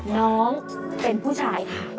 น้องเป็นผู้ชายค่ะ